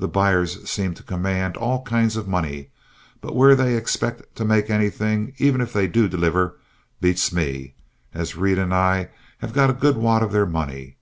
The buyers seemed to command all kinds of money, but where they expect to make anything, even if they do deliver, beats me, as Reed and I have got a good wad of their money.